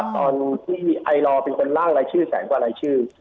ตอนที่ไอลอเป็นคนล่างรายชื่อแสนกว่ารายชื่อ